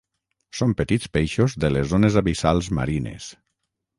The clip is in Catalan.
Són petits peixos de les zones abissals marines.